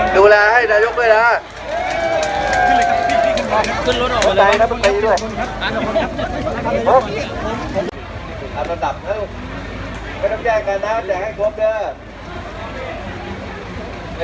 ดูแลให้นายกด้วยนะ